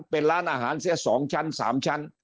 เป็นร้านอาหารเสีย๒ชั้น๓ชั้น